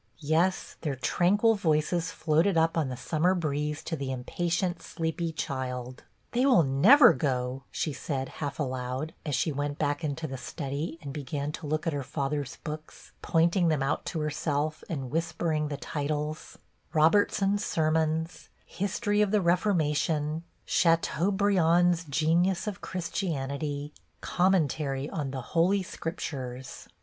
Yes, their tranquil voices floated up on the summer breeze to the impatient, sleepy child. " They will never go," she said, half aloud, as she went back into the study and began to look at her father's books, pointing them out to herself, and whispering the titles, " Robertson's Sermons," " History of the Reformation," " Chateaubriand's Genius of Christianity," " Commentary on the Holy Scriptures."